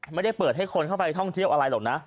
ไม่ได้เปิดให้คนเข้าไปท่องเที่ยวอะไรหรอกนะ